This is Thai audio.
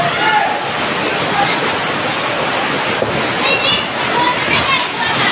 พี่ดีนที่นี่อาจจะมีง่ายกว่า